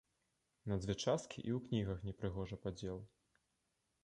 На дзве часткі і ў кнігах не прыгожа падзел.